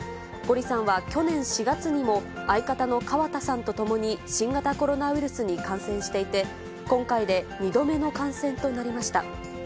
ゴリさんは去年４月にも、相方の川田さんと共に新型コロナウイルスに感染していて、今回で２度目の感染となりました。